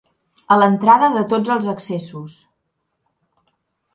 A l'entrada de tots els accessos.